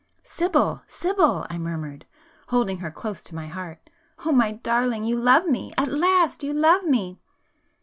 "Sibyl—Sibyl!" I murmured, holding her close to my heart——"Oh my darling,—you love me!—at last you love me!"